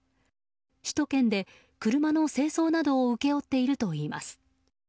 首都圏で車の清掃などを請け負っているといいます。